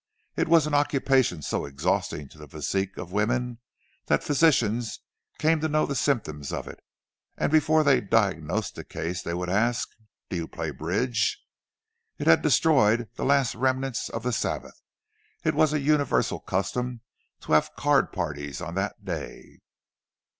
It was an occupation so exhausting to the physique of women that physicians came to know the symptoms of it, and before they diagnosed a case, they would ask, "Do you play bridge?" It had destroyed the last remnants of the Sabbath—it was a universal custom to have card parties on that day.